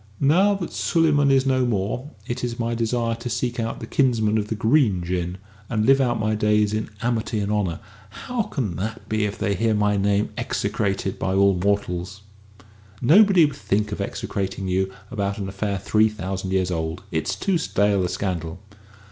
"Now that Suleyman is no more, it is my desire to seek out my kinsmen of the Green Jinn, and live out my days in amity and honour. How can that be if they hear my name execrated by all mortals?" "Nobody would think of execrating you about an affair three thousand years old. It's too stale a scandal."